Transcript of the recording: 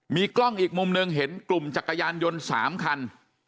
มีกล้องอีกมุมหนึ่งเห็นกลุ่มจักรยานยนต์๓คัน